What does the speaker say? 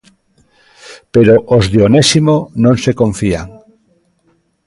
Pero os de Onésimo non se confían.